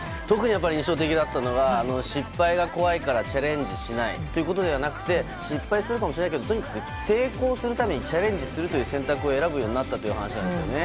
特に印象的だったのは失敗が怖いからチャレンジしないということではなく失敗するかもしれないけどとにかく成功するためにチャレンジするという選択を選ぶようになったということなんです。